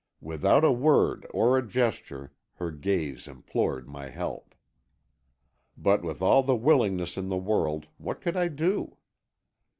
Without a word or a gesture her gaze implored my help. But with all the willingness in the world, what could I do?